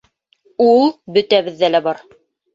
— Ул бөтәбеҙҙә лә бар.